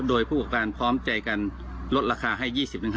โดยผู้ประกอบการพร้อมใจกันลดราคาให้๒๐๕๐